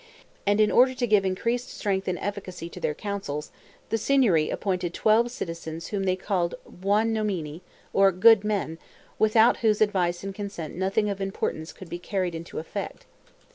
And in order to give increased strength and efficacy to their counsels, the Signory appointed twelve citizens whom they called Buonomini, or good men, without whose advice and consent nothing of any importance could be carried into effect.